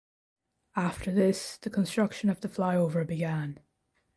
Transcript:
After this the construction of this flyover began.